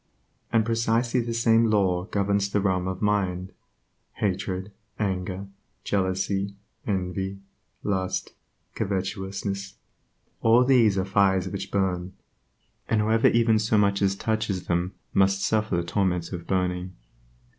And precisely the same law governs the realm of mind. Hatred, anger, jealousy, envy, lust, covetousness, all these are fires which bum, and whoever even so much as touches them must suffer the torments of burning.